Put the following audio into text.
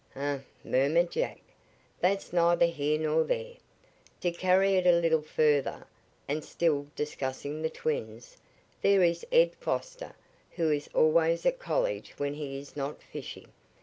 "Um!" murmured Jack. "That's neither here nor there. To carry it a little further, and still discussing the twins, there is Ed Foster, who is always at college when he is not fishing.